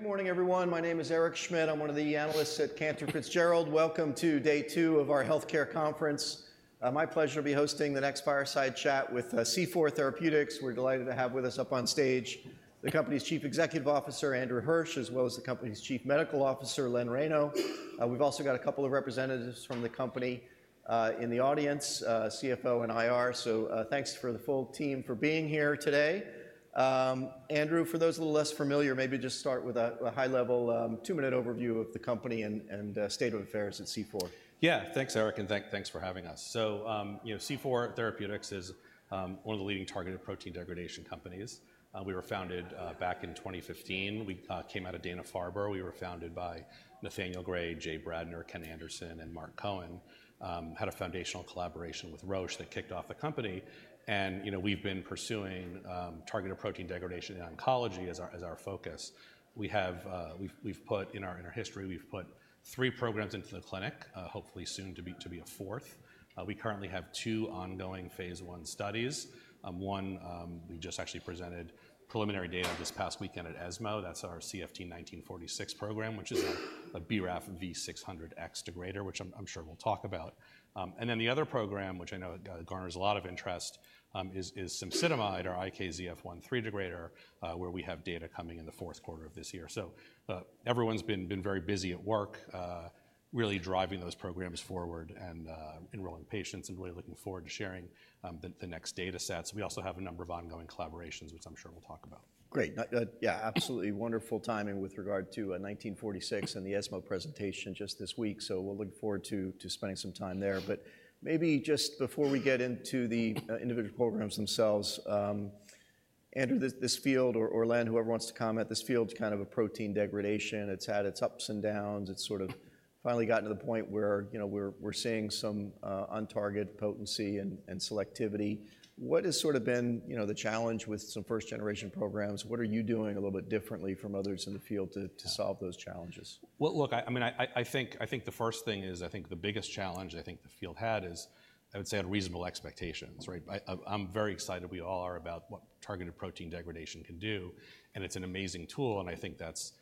Good morning, everyone. My name is Eric Schmidt. I'm one of the analysts at Cantor Fitzgerald. Welcome to day two of our healthcare conference. My pleasure to be hosting the next fireside chat with C4 Therapeutics. We're delighted to have with us up on stage, the company's Chief Executive Officer, Andrew Hirsch, as well as the company's Chief Medical Officer, Len Reyno. We've also got a couple of representatives from the company in the audience, CFO and IR, so thanks for the full team for being here today. Andrew, for those a little less familiar, maybe just start with a high-level two-minute overview of the company and state of affairs at C4. Yeah. Thanks, Eric, and thanks for having us. So, you know, C4 Therapeutics is one of the leading targeted protein degradation companies. We were founded back in twenty fifteen. We came out of Dana-Farber. We were founded by Nathaniel Gray, Jay Bradner, Ken Anderson, and Marc Cohen. Had a foundational collaboration with Roche that kicked off the company, and, you know, we've been pursuing targeted protein degradation in oncology as our focus. We've put in our history three programs into the clinic, hopefully soon to be a fourth. We currently have two ongoing phase I studies. One, we just actually presented preliminary data this past weekend at ESMO. That's our CFT1946 program, which is a BRAF V600X degrader, which I'm sure we'll talk about. And then the other program, which I know garners a lot of interest, is cemsidomide, our IKZF1/3 degrader, where we have data coming in the fourth quarter of this year. So, everyone's been very busy at work, really driving those programs forward and enrolling patients, and we're looking forward to sharing the next data sets. We also have a number of ongoing collaborations, which I'm sure we'll talk about. Great. Yeah, absolutely wonderful timing with regard to 1946 and the ESMO presentation just this week, so we'll look forward to spending some time there. But maybe just before we get into the individual programs themselves, Andrew, this field or Len, whoever wants to comment, this field's kind of a protein degradation. It's had its ups and downs. It's sort of finally gotten to the point where, you know, we're seeing some on-target potency and selectivity. What has sort of been, you know, the challenge with some first-generation programs? What are you doing a little bit differently from others in the field to solve those challenges? Look, I mean, I think the first thing is, I think the biggest challenge the field had is reasonable expectations, right? I'm very excited, we all are, about what targeted protein degradation can do, and it's an amazing tool, and I think that's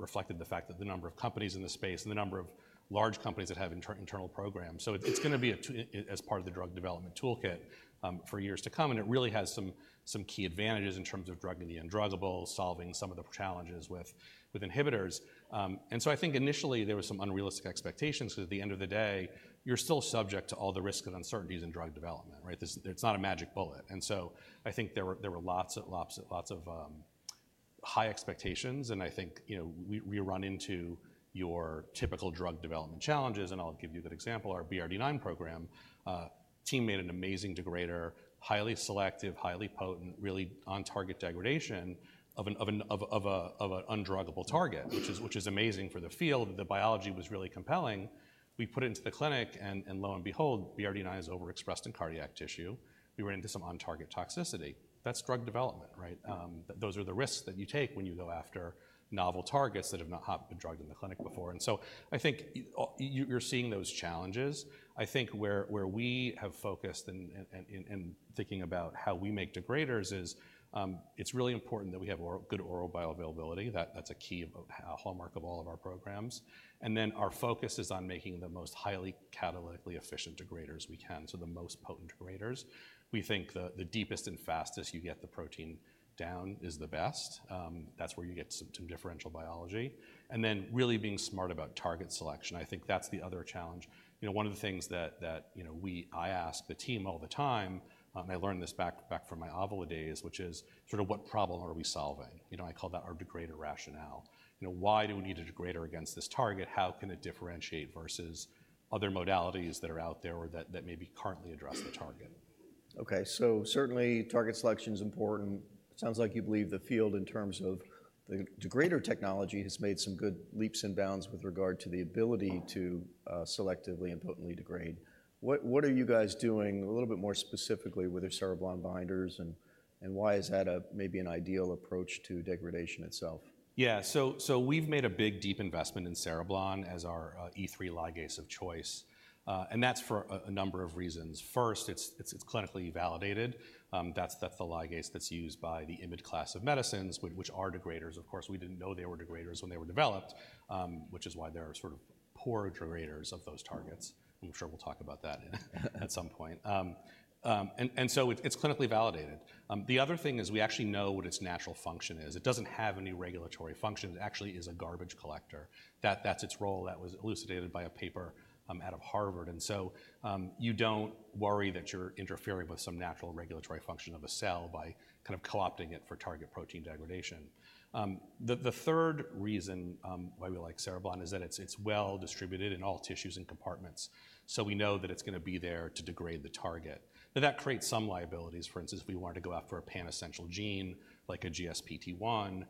reflected the fact that the number of companies in the space and the number of large companies that have internal programs. So it's going to be a, as part of the drug development toolkit for years to come, and it really has some key advantages in terms of drugging the undruggable, solving some of the challenges with inhibitors. And so I think initially there was some unrealistic expectations, because at the end of the day, you're still subject to all the risks and uncertainties in drug development, right? This. There's not a magic bullet. And so I think there were lots of high expectations, and I think, you know, we run into your typical drug development challenges, and I'll give you a good example. Our BRD9 program team made an amazing degrader, highly selective, highly potent, really on-target degradation of an undruggable target, which is amazing for the field. The biology was really compelling. We put it into the clinic, and lo and behold, BRD9 is overexpressed in cardiac tissue. We ran into some on-target toxicity. That's drug development, right? Those are the risks that you take when you go after novel targets that have not been drugged in the clinic before. And so I think you, you're seeing those challenges. I think where we have focused and thinking about how we make degraders is, it's really important that we have good oral bioavailability. That's a key hallmark of all of our programs. And then our focus is on making the most highly catalytically efficient degraders we can, so the most potent degraders. We think the deepest and fastest you get the protein down is the best. That's where you get some differential biology. And then really being smart about target selection, I think that's the other challenge. You know, one of the things that you know, I ask the team all the time. I learned this back from my Avila days, which is sort of what problem are we solving? You know, I call that our degrader rationale. You know, why do we need a degrader against this target? How can it differentiate versus other modalities that are out there or that maybe currently address the target? Okay, so certainly target selection is important. Sounds like you believe the field in terms of the degrader technology has made some good leaps and bounds with regard to the ability to selectively and potently degrade. What are you guys doing, a little bit more specifically, with the cereblon binders, and why is that maybe an ideal approach to degradation itself? Yeah. So we've made a big, deep investment in cereblon as our E3 ligase of choice, and that's for a number of reasons. First, it's clinically validated. That's the ligase that's used by the IMiD class of medicines, which are degraders. Of course, we didn't know they were degraders when they were developed, which is why they are sort of poor degraders of those targets. I'm sure we'll talk about that at some point. And so it's clinically validated. The other thing is we actually know what its natural function is. It doesn't have any regulatory function. It actually is a garbage collector. That's its role. That was elucidated by a paper out of Harvard. And so, you don't worry that you're interfering with some natural regulatory function of a cell by kind of co-opting it for target protein degradation. The third reason why we like cereblon is that it's well-distributed in all tissues and compartments, so we know that it's gonna be there to degrade the target. Now, that creates some liabilities. For instance, if we wanted to go after a pan-essential gene, like a GSPT1,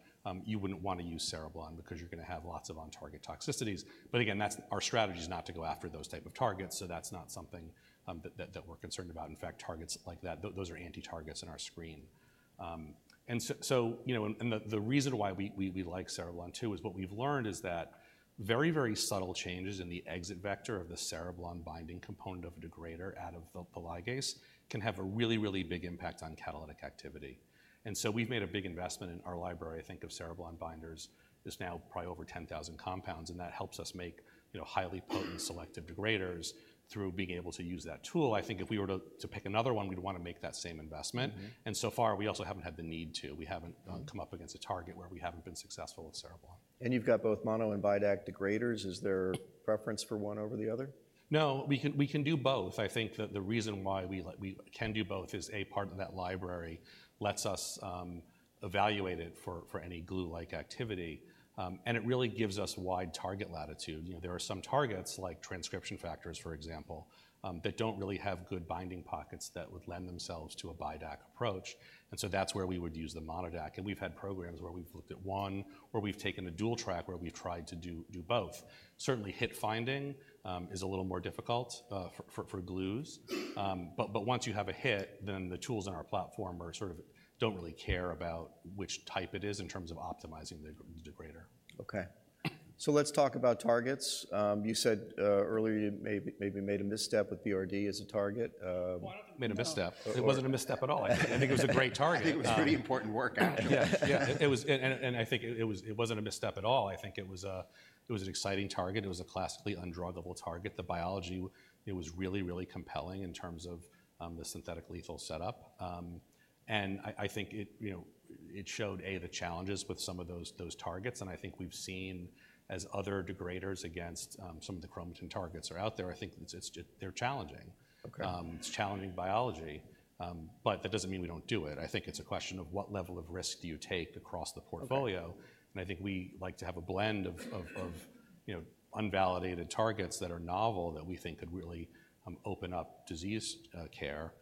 you wouldn't want to use cereblon because you're gonna have lots of on-target toxicities. But again, that's our strategy is not to go after those type of targets, so that's not something that we're concerned about. In fact, targets like that, those are anti-targets in our screen. and so, so, you know, and, and the reason why we like cereblon too is what we've learned is that very, very subtle changes in the exit vector of the cereblon binding component of a degrader out of the E3 ligase can have a really, really big impact on catalytic activity. And so we've made a big investment in our library. I think of cereblon binders, there's now probably over 10,000 compounds, and that helps us make, you know, highly potent, selective degraders through being able to use that tool. I think if we were to pick another one, we'd wanna make that same investment. Mm-hmm. And so far, we also haven't had the need to. Mm come up against a target where we haven't been successful with cereblon. You've got both MonoDAC and BiDAC degraders. Is there preference for one over the other? No, we can, we can do both. I think that the reason why we like we can do both is, A, part of that library lets us evaluate it for any glue-like activity, and it really gives us wide target latitude. You know, there are some targets, like transcription factors, for example, that don't really have good binding pockets that would lend themselves to a BiDAC approach, and so that's where we would use the monoDAC. And we've had programs where we've looked at one, where we've taken a dual track, where we've tried to do both. Certainly, hit finding is a little more difficult for glues. But once you have a hit, then the tools in our platform are sort of don't really care about which type it is in terms of optimizing the degrader. Okay. So let's talk about targets. You said earlier, you maybe made a misstep with BRD as a target. I haven't made a misstep. Uh- It wasn't a misstep at all. I think it was a great target. I think it was pretty important work, actually. Yeah, yeah. It was. I think it was. It wasn't a misstep at all. I think it was an exciting target. It was a classically undruggable target. The biology was really compelling in terms of the synthetic lethal setup. I think it showed A, the challenges with some of those targets. I think we've seen other degraders against some of the chromatin targets out there. I think it's just they're challenging. Okay. It's challenging biology, but that doesn't mean we don't do it. I think it's a question of what level of risk do you take across the portfolio? Okay. I think we like to have a blend of, you know, unvalidated targets that are novel that we think could really open up disease care.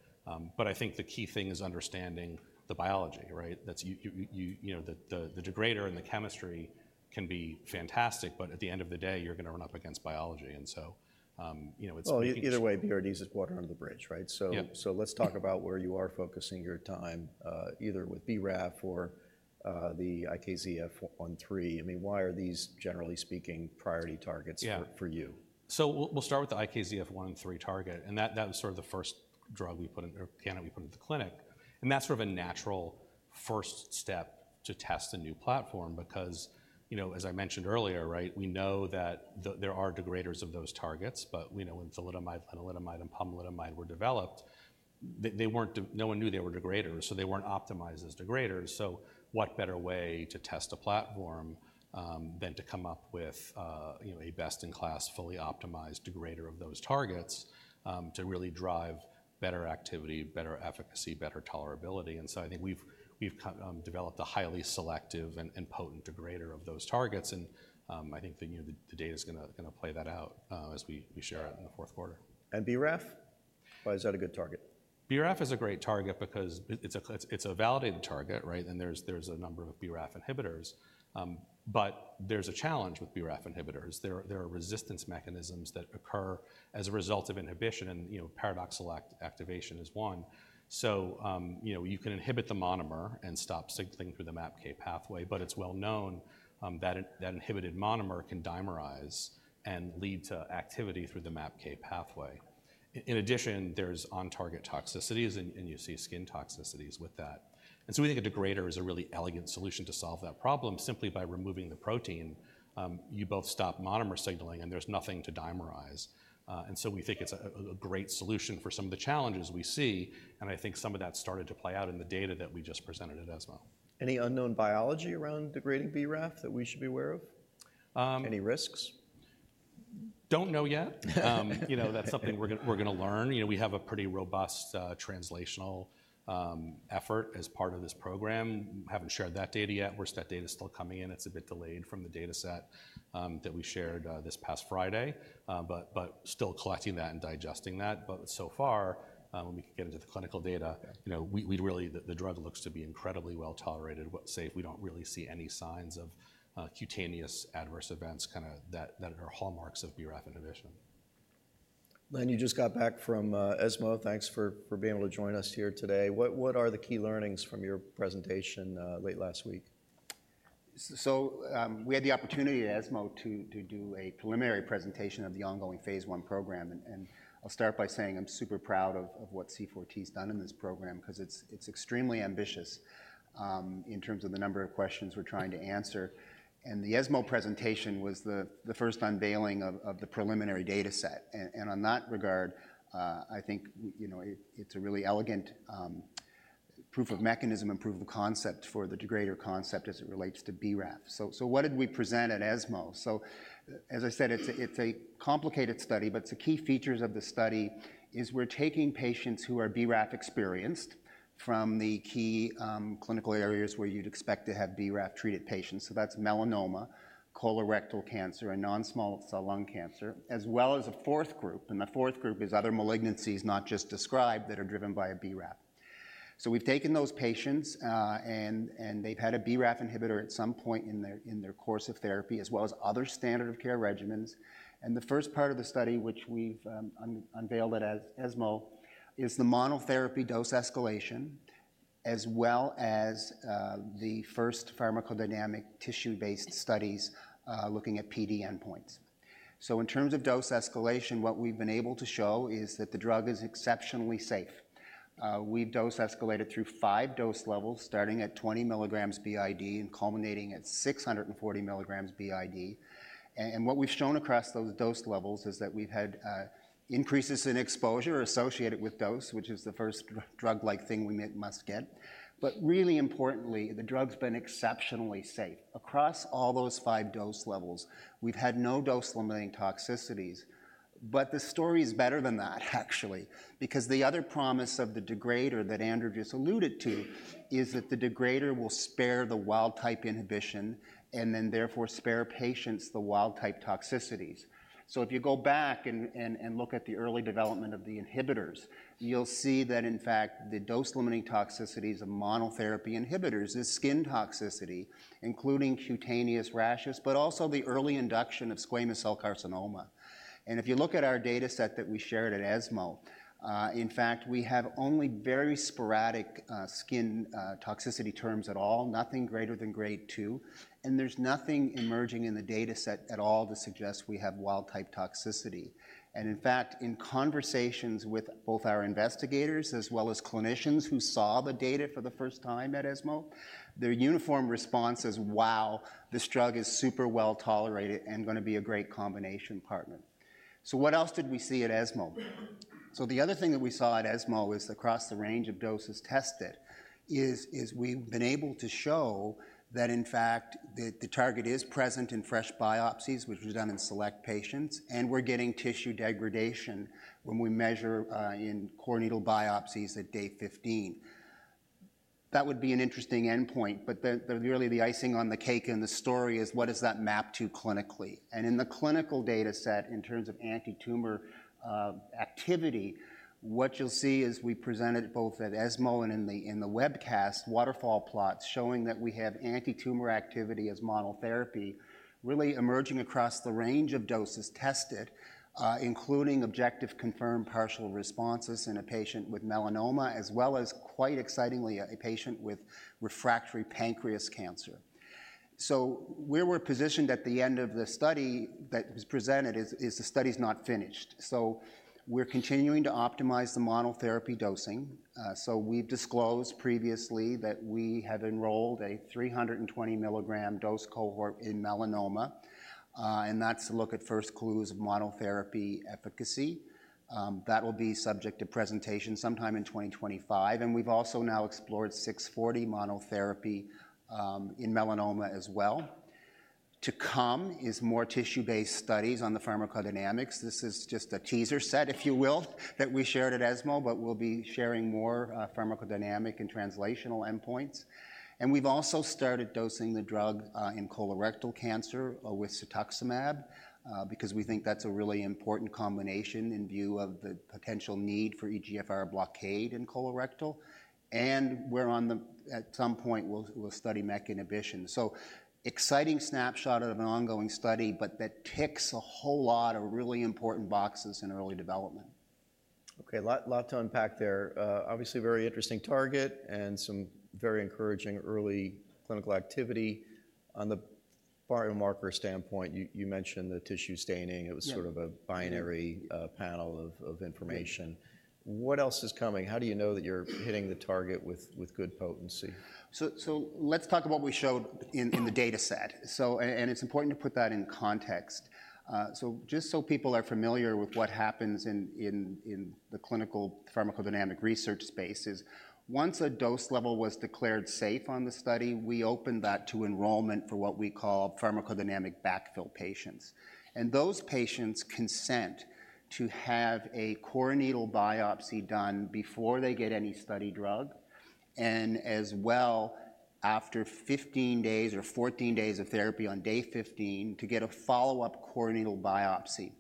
But I think the key thing is understanding the biology, right? That's you know, the degrader and the chemistry can be fantastic, but at the end of the day, you're gonna run up against biology. And so, you know, it's- Either way, BRDs is water under the bridge, right? So- Yeah. So let's talk about where you are focusing your time, either with BRAF or the IKZF1/3. I mean, why are these, generally speaking, priority targets- Yeah... for you? We'll start with the IKZF1 and 3 target, and that was sort of the first drug we put in, or program we put into the clinic. And that's sort of a natural first step to test a new platform because, you know, as I mentioned earlier, right? We know that there are degraders of those targets, but we know when thalidomide, lenalidomide, and pomalidomide were developed, they weren't. No one knew they were degraders, so they weren't optimized as degraders. So what better way to test a platform than to come up with, you know, a best-in-class, fully optimized degrader of those targets to really drive better activity, better efficacy, better tolerability? And so I think we've developed a highly selective and potent degrader of those targets, and I think you know the data's gonna play that out as we share out in the fourth quarter. BRAF? Why is that a good target? BRAF is a great target because it's a validated target, right? And there's a number of BRAF inhibitors. But there's a challenge with BRAF inhibitors. There are resistance mechanisms that occur as a result of inhibition, and, you know, paradoxical activation is one. So, you know, you can inhibit the monomer and stop signaling through the MAPK pathway, but it's well known that that inhibited monomer can dimerize and lead to activity through the MAPK pathway. In addition, there's on-target toxicities, and you see skin toxicities with that. And so we think a degrader is a really elegant solution to solve that problem. Simply by removing the protein, you both stop monomer signaling, and there's nothing to dimerize. And so we think it's a great solution for some of the challenges we see, and I think some of that started to play out in the data that we just presented at ESMO. Any unknown biology around degrading BRAF that we should be aware of? Um- Any risks? Don't know yet. You know, that's something we're gonna learn. You know, we have a pretty robust translational effort as part of this program. Haven't shared that data yet. Whereas that data is still coming in, it's a bit delayed from the dataset that we shared this past Friday, but still collecting that and digesting that. But so far, when we get into the clinical data- Yeah... you know, we'd really, the drug looks to be incredibly well-tolerated, well, safe. We don't really see any signs of cutaneous adverse events kinda that are hallmarks of BRAF inhibition. Len, you just got back from ESMO. Thanks for being able to join us here today. What are the key learnings from your presentation late last week? So, we had the opportunity at ESMO to do a preliminary presentation of the ongoing phase I program, and I'll start by saying I'm super proud of what C4T's done in this program 'cause it's extremely ambitious in terms of the number of questions we're trying to answer. The ESMO presentation was the first unveiling of the preliminary data set. And on that regard, I think you know it's a really elegant proof of mechanism and proof of concept for the degrader concept as it relates to BRAF. So what did we present at ESMO? As I said, it's a complicated study, but the key features of the study is we're taking patients who are BRAF-experienced from the key clinical areas where you'd expect to have BRAF-treated patients. So that's melanoma, colorectal cancer, and non-small cell lung cancer, as well as a fourth group, and the fourth group is other malignancies not just described, that are driven by a BRAF. So we've taken those patients, and they've had a BRAF inhibitor at some point in their course of therapy, as well as other standard of care regimens. And the first part of the study, which we've unveiled at ESMO, is the monotherapy dose escalation.... as well as, the first pharmacodynamic tissue-based studies, looking at PD endpoints. So in terms of dose escalation, what we've been able to show is that the drug is exceptionally safe. We've dose escalated through five dose levels, starting at twenty milligrams BID and culminating at six hundred and forty milligrams BID. And what we've shown across those dose levels is that we've had increases in exposure associated with dose, which is the first drug-like thing we must get. But really importantly, the drug's been exceptionally safe. Across all those five dose levels, we've had no dose-limiting toxicities. But the story is better than that, actually, because the other promise of the degrader that Andrew just alluded to is that the degrader will spare the wild-type inhibition, and then therefore spare patients the wild-type toxicities. If you go back and look at the early development of the inhibitors, you'll see that, in fact, the dose-limiting toxicities of monotherapy inhibitors is skin toxicity, including cutaneous rashes, but also the early induction of squamous cell carcinoma. If you look at our data set that we shared at ESMO, in fact, we have only very sporadic skin toxicity terms at all, nothing greater than grade two, and there's nothing emerging in the data set at all to suggest we have wild-type toxicity. In fact, in conversations with both our investigators as well as clinicians who saw the data for the first time at ESMO, their uniform response is: "Wow, this drug is super well-tolerated and going to be a great combination partner." What else did we see at ESMO? So the other thing that we saw at ESMO is across the range of doses tested, we've been able to show that, in fact, the target is present in fresh biopsies, which was done in select patients, and we're getting tissue degradation when we measure in core needle biopsies at day fifteen. That would be an interesting endpoint, but really the icing on the cake in the story is what does that map to clinically? And in the clinical data set, in terms of antitumor activity, what you'll see is we presented both at ESMO and in the webcast waterfall plots, showing that we have antitumor activity as monotherapy, really emerging across the range of doses tested, including objective confirmed partial responses in a patient with melanoma, as well as quite excitingly, a patient with refractory pancreas cancer. So where we're positioned at the end of the study that was presented is the study's not finished. So we're continuing to optimize the monotherapy dosing. So we've disclosed previously that we have enrolled a 320 milligram dose cohort in melanoma, and that's to look at first clues of monotherapy efficacy. That will be subject to presentation sometime in 2025, and we've also now explored 640 monotherapy in melanoma as well. To come is more tissue-based studies on the pharmacodynamics. This is just a teaser set, if you will, that we shared at ESMO, but we'll be sharing more pharmacodynamic and translational endpoints. We've also started dosing the drug in colorectal cancer with cetuximab, because we think that's a really important combination in view of the potential need for EGFR blockade in colorectal, and at some point, we'll study MEK inhibition. Exciting snapshot of an ongoing study, but that ticks a whole lot of really important boxes in early development. Okay, lot to unpack there. Obviously, a very interesting target and some very encouraging early clinical activity. On the biomarker standpoint, you mentioned the tissue staining. Yeah. It was sort of a binary- Yeah... panel of information. Yeah. What else is coming? How do you know that you're hitting the target with good potency? Let's talk about what we showed in the data set. It's important to put that in context. Just so people are familiar with what happens in the clinical pharmacodynamic research space is, once a dose level was declared safe on the study, we opened that to enrollment for what we call pharmacodynamic backfill patients. And those patients consent to have a core needle biopsy done before they get any study drug, and as well, after fifteen days or fourteen days of therapy on day fifteen, to get a follow-up core needle biopsy.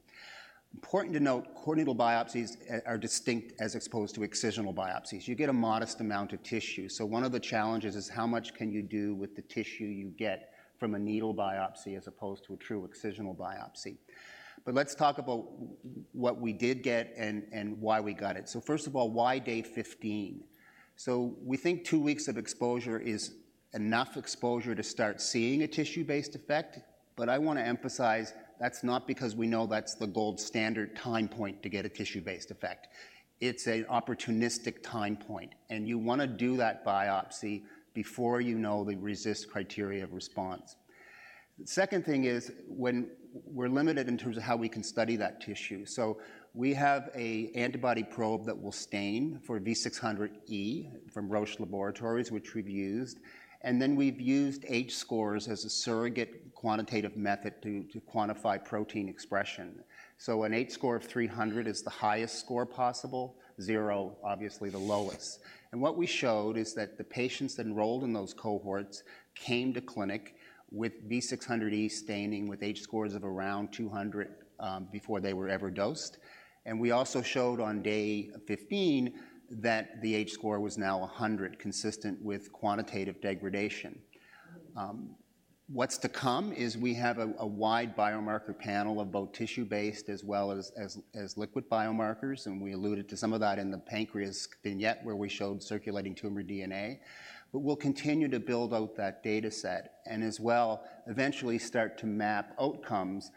Important to note, core needle biopsies are distinct as opposed to excisional biopsies. You get a modest amount of tissue, so one of the challenges is how much can you do with the tissue you get from a needle biopsy as opposed to a true excisional biopsy? But let's talk about what we did get and why we got it. So first of all, why day 15? So we think two weeks of exposure is enough exposure to start seeing a tissue-based effect, but I want to emphasize, that's not because we know that's the gold standard time point to get a tissue-based effect. It's an opportunistic time point, and you want to do that biopsy before you know the RECIST criteria of response. The second thing is when we're limited in terms of how we can study that tissue. So we have an antibody probe that will stain for V600E from Roche, which we've used, and then we've used H-score as a surrogate quantitative method to quantify protein expression. So an H-score of 300 is the highest score possible, 0, obviously the lowest. What we showed is that the patients that enrolled in those cohorts came to clinic with V600E staining, with H-score of around 200, before they were ever dosed. We also showed on day 15 that the H-score was now 100, consistent with quantitative degradation. What's to come is we have a wide biomarker panel of both tissue-based as well as liquid biomarkers, and we alluded to some of that in the pancreas vignette where we showed circulating tumor DNA. We'll continue to build out that data set and as well, eventually start to map outcomes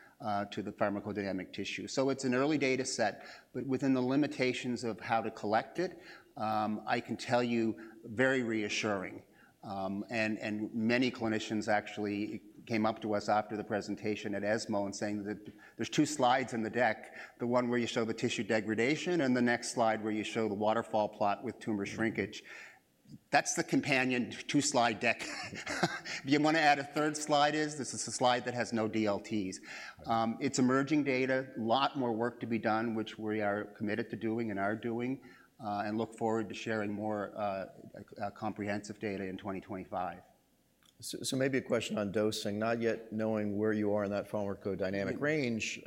to the pharmacodynamic tissue. It's an early data set, but within the limitations of how to collect it, I can tell you, very reassuring. Many clinicians actually came up to us after the presentation at ESMO and saying that there's two slides in the deck, the one where you show the tissue degradation, and the next slide where you show the waterfall plot with tumor shrinkage. That's the companion two-slide deck. You want to add a third slide is, this is a slide that has no DLTs. It's emerging data, a lot more work to be done, which we are committed to doing and are doing, and look forward to sharing more comprehensive data in 2025. Maybe a question on dosing, not yet knowing where you are in that pharmacodynamic range.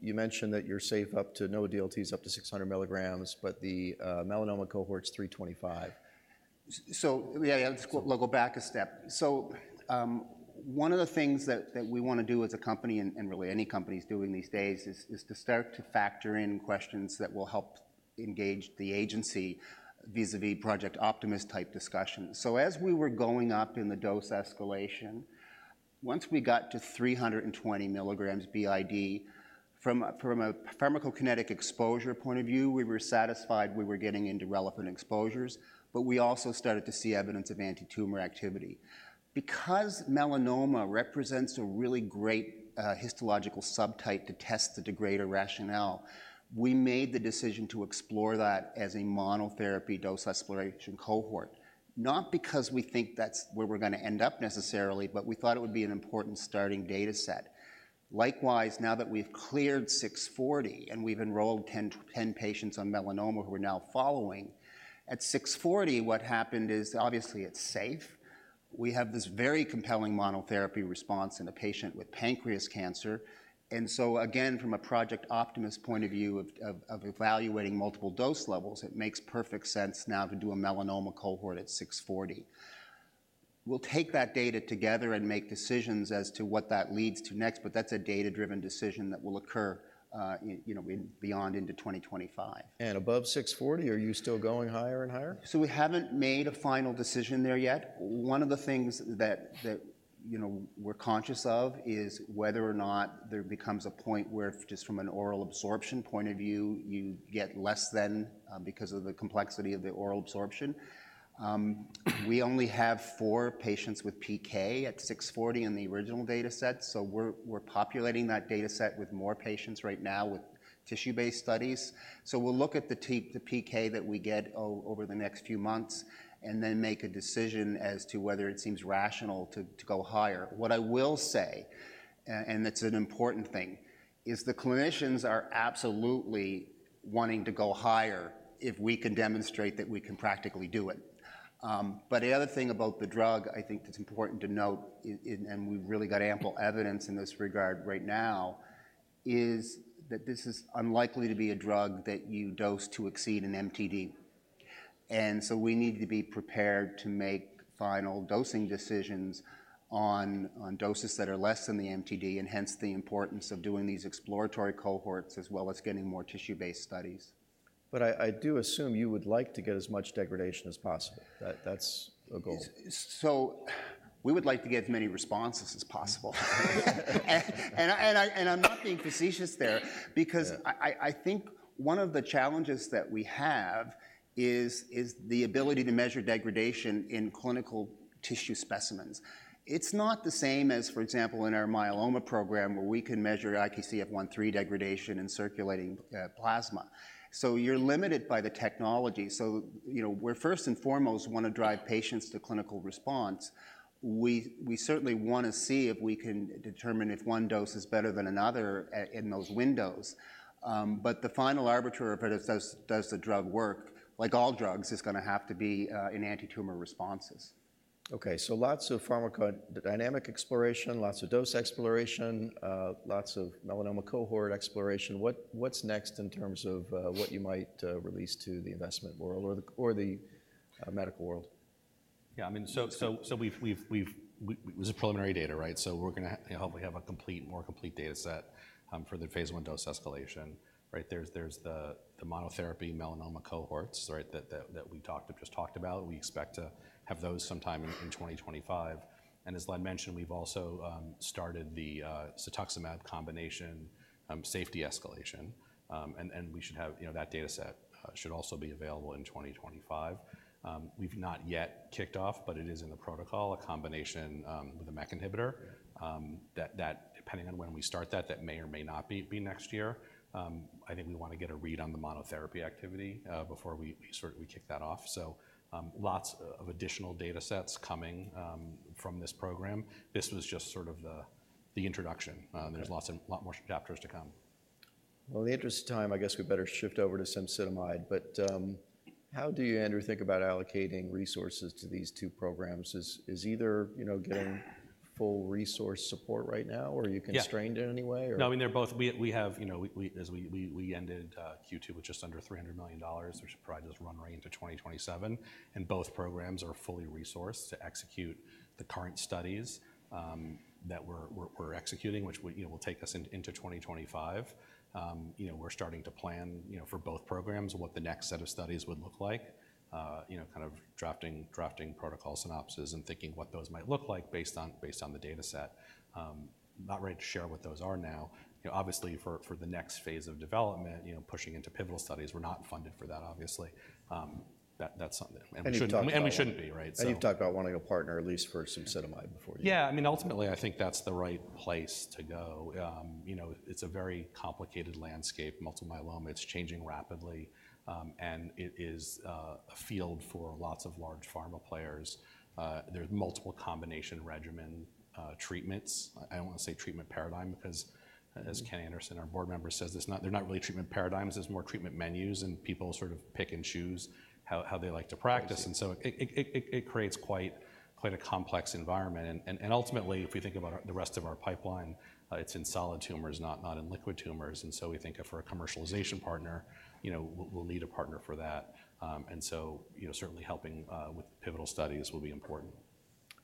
You mentioned that you're safe up to no DLTs up to 600 milligrams, but the melanoma cohort's 325. Yeah, let's go. I'll go back a step. One of the things that we want to do as a company, and really any company is doing these days, is to start to factor in questions that will help engage the agency vis-à-vis Project Optimist type discussions. As we were going up in the dose escalation, once we got to 320 milligrams BID, from a pharmacokinetic exposure point of view, we were satisfied we were getting into relevant exposures, but we also started to see evidence of antitumor activity. Because melanoma represents a really great histological subtype to test the degrader rationale, we made the decision to explore that as a monotherapy dose exploration cohort. Not because we think that's where we're going to end up necessarily, but we thought it would be an important starting data set. Likewise, now that we've cleared 640 and we've enrolled 10 patients on melanoma who we're now following, at 640, what happened is, obviously, it's safe. We have this very compelling monotherapy response in a patient with pancreatic cancer, and so again, from a Project Optimist point of view of evaluating multiple dose levels, it makes perfect sense now to do a melanoma cohort at 640. We'll take that data together and make decisions as to what that leads to next, but that's a data-driven decision that will occur, you know, beyond into 2025. Above 640, are you still going higher and higher? So we haven't made a final decision there yet. One of the things that you know we're conscious of is whether or not there becomes a point where just from an oral absorption point of view you get less than because of the complexity of the oral absorption. We only have four patients with PK at 640 in the original data set, so we're populating that data set with more patients right now with tissue-based studies. So we'll look at the PK that we get over the next few months and then make a decision as to whether it seems rational to go higher. What I will say, and it's an important thing, is the clinicians are absolutely wanting to go higher if we can demonstrate that we can practically do it. But the other thing about the drug, I think that's important to note, and we've really got ample evidence in this regard right now, is that this is unlikely to be a drug that you dose to exceed an MTD. And so we need to be prepared to make final dosing decisions on doses that are less than the MTD, and hence the importance of doing these exploratory cohorts, as well as getting more tissue-based studies. But I do assume you would like to get as much degradation as possible. That's a goal. So we would like to get as many responses as possible. And I’m not being facetious there- Yeah. because I think one of the challenges that we have is the ability to measure degradation in clinical tissue specimens. It's not the same as, for example, in our myeloma program, where we can measure IKZF1/3 degradation in circulating plasma. So you're limited by the technology. So, you know, we're first and foremost want to drive patients to clinical response. We certainly want to see if we can determine if one dose is better than another in those windows. But the final arbiter of it, does the drug work, like all drugs, is gonna have to be in antitumor responses. Okay, so lots of pharmacodynamic exploration, lots of dose exploration, lots of melanoma cohort exploration. What's next in terms of what you might release to the investment world or the medical world? Yeah, I mean, so it was a preliminary data, right? So we're gonna hopefully have a more complete data set for the phase I dose escalation, right? There's the monotherapy melanoma cohorts, right? That we just talked about. We expect to have those sometime in twenty twenty-five. And as Len mentioned, we've also started the cetuximab combination safety escalation. And we should have. You know, that data set should also be available in twenty twenty-five. We've not yet kicked off, but it is in the protocol, a combination with a MEK inhibitor- Yeah. That depending on when we start that, that may or may not be next year. I think we want to get a read on the monotherapy activity before we sort of kick that off. So, lots of additional data sets coming from this program. This was just sort of the introduction. Yeah. There's a lot more chapters to come. In the interest of time, I guess we better shift over to cemsidomide. But, how do you, Andrew, think about allocating resources to these two programs? Is either, you know, getting full resource support right now, or are you- Yeah. constrained in any way, or? No, I mean, they're both. We have, you know, as we ended Q2 with just under $300 million, which probably does run right into 2027, and both programs are fully resourced to execute the current studies that we're executing, which would, you know, will take us into 2025. You know, we're starting to plan, you know, for both programs, what the next set of studies would look like, kind of drafting protocol synopses and thinking what those might look like based on the dataset. I'm not ready to share what those are now. You know, obviously for the next phase of development, you know, pushing into pivotal studies, we're not funded for that, obviously. That's something- You've talked about- And we shouldn't be, right? So- You've talked about wanting a partner, at least for cemsidomide Yeah. I mean, ultimately, I think that's the right place to go. You know, it's a very complicated landscape, multiple myeloma. It's changing rapidly, and it is a field for lots of large pharma players. There's multiple combination regimen treatments. I don't want to say treatment paradigm because as Ken Anderson, our board member, says, it's not. They're not really treatment paradigms, it's more treatment menus, and people sort of pick and choose how they like to practice. I see. And so it creates quite a complex environment. And ultimately, if we think about the rest of our pipeline, it's in solid tumors, not in liquid tumors. And so we think of for a commercialization partner, you know, we'll need a partner for that. And so, you know, certainly helping with pivotal studies will be important.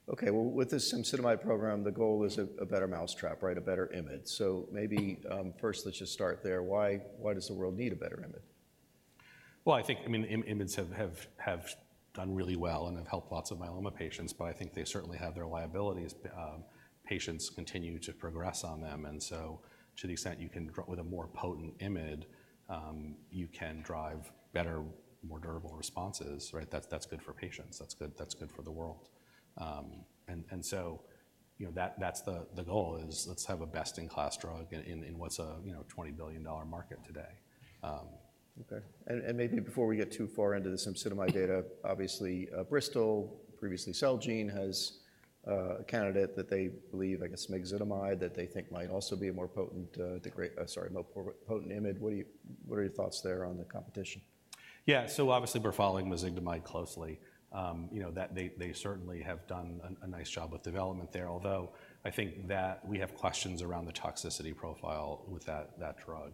Okay, well, with this cemsidomide program, the goal is a better mousetrap, right? A better IMiD. First, let's just start there. Why does the world need a better IMiD? I think, I mean, IMiDs have done really well and have helped lots of myeloma patients, but I think they certainly have their liabilities. Patients continue to progress on them, and so to the extent you can, with a more potent IMiD, you can drive better, more durable responses, right? That's good for patients. That's good for the world. And so, you know, that's the goal is let's have a best-in-class drug in what's a $20 billion market today. Okay. And maybe before we get too far into the cemsidomide data, obviously, Bristol, previously Celgene, has a candidate that they believe, I guess, mezigdomide, that they think might also be a more potent IMiD. What are your thoughts there on the competition? Yeah. So obviously, we're following mezigdomide closely. You know, they certainly have done a nice job of development there, although I think that we have questions around the toxicity profile with that drug.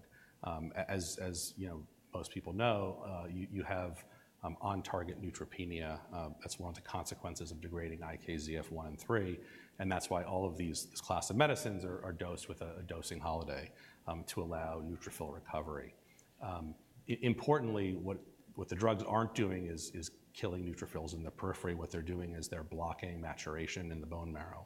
As you know, most people know, you have on-target neutropenia, that's one of the consequences of degrading IKZF1 and 3, and that's why all of these, this class of medicines are dosed with a dosing holiday to allow neutrophil recovery. Importantly, what the drugs aren't doing is killing neutrophils in the periphery. What they're doing is they're blocking maturation in the bone marrow.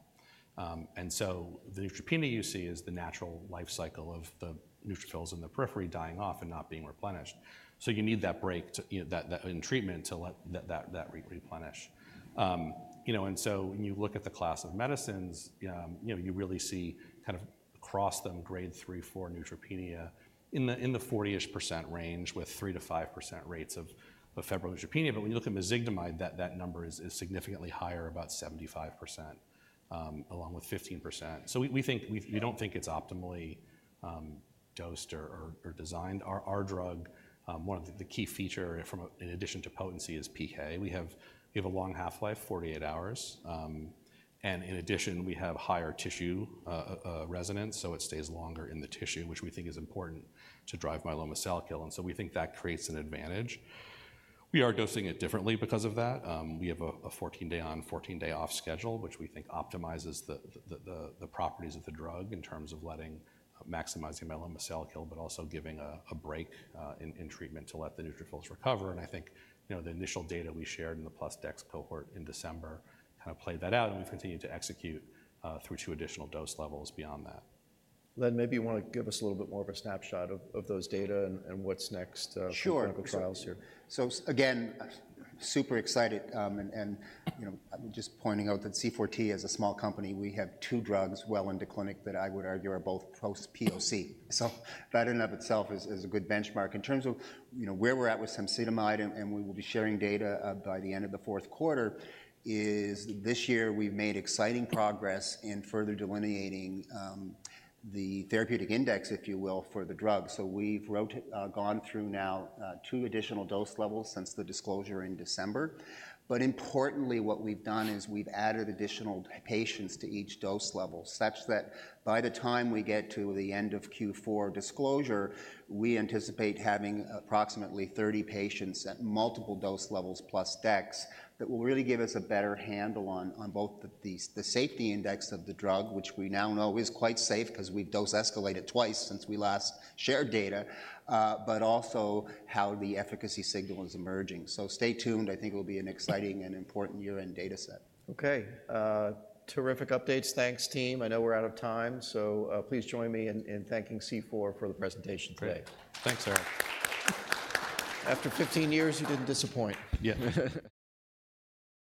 And so the neutropenia you see is the natural life cycle of the neutrophils in the periphery dying off and not being replenished. So you need that break to, you know, that... in treatment to let that replenish. You know, and so when you look at the class of medicines, you know, you really see kind of across the grade 3-4 neutropenia in the 40% range, with 3%-5% rates of febrile neutropenia. But when you look at mezigdomide, that number is significantly higher, about 75%, along with 15%. So we think we don't think it's optimally dosed or designed. Our drug, one of the key feature in addition to potency, is PK. We have a long half-life, 48 hours, and in addition, we have higher tissue residence, so it stays longer in the tissue, which we think is important to drive myeloma cell kill, and so we think that creates an advantage. We are dosing it differently because of that. We have a fourteen-day on, fourteen-day off schedule, which we think optimizes the properties of the drug in terms of maximizing myeloma cell kill, but also giving a break in treatment to let the neutrophils recover. I think, you know, the initial data we shared in the plus dex cohort in December kind of played that out, and we've continued to execute through two additional dose levels beyond that. Len, maybe you wanna give us a little bit more of a snapshot of those data and what's next. Sure. for clinical trials here. Again, super excited, and you know, just pointing out that C4T is a small company. We have two drugs well into the clinic that I would argue are both post-POC. That in and of itself is a good benchmark. In terms of you know, where we're at with cemsidomide, and we will be sharing data by the end of the fourth quarter of this year. We've made exciting progress in further delineating the therapeutic index, if you will, for the drug. We've gone through now two additional dose levels since the disclosure in December. But importantly, what we've done is we've added additional patients to each dose level, such that by the time we get to the end of Q4 disclosure, we anticipate having approximately 30 patients at multiple dose levels plus dex. That will really give us a better handle on both the safety index of the drug, which we now know is quite safe because we've dose escalated twice since we last shared data, but also how the efficacy signal is emerging. So stay tuned. I think it will be an exciting and important year-end data set. Okay, terrific updates. Thanks, team. I know we're out of time, so please join me in thanking C4 for the presentation today. Great. Thanks, Eric. After 15 years, you didn't disappoint. Yeah.